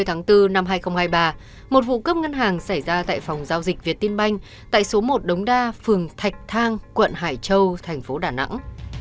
hai mươi tháng bốn năm hai nghìn hai mươi ba một vụ cướp ngân hàng xảy ra tại phòng giao dịch việt tiên banh tại số một đống đa phường thạch thang quận hải châu thành phố đà nẵng